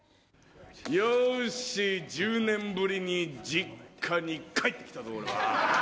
よし１０年ぶりに実家に帰って来たぞ俺は。